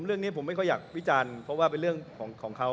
เรื่องนี้ผมไม่ค่อยอยากวิจารณ์เพราะว่าเป็นเรื่องของเขา